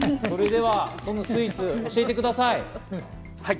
では、そのスイーツを教えてください。